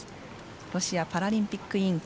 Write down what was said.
ロシアパラリンピック委員会